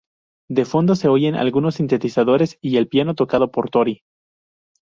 De fondo, se oyen algunos sintetizadores y el piano tocado por Tori.